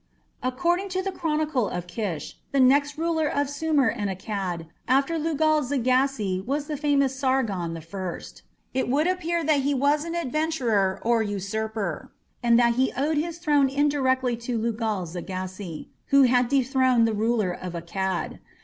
According to the Chronicle of Kish, the next ruler of Sumer and Akkad after Lugal zaggisi was the famous Sargon I. It would appear that he was an adventurer or usurper, and that he owed his throne indirectly to Lugal zaggisi, who had dethroned the ruler of Akkad.